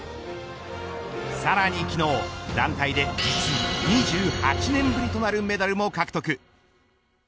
さらに昨日団体で２８年ぶりとなるメダルも獲得。